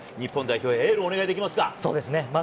日本代表へエールをお願いします。